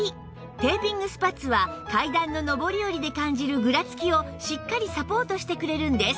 テーピングスパッツは階段の上り下りで感じるぐらつきをしっかりサポートしてくれるんです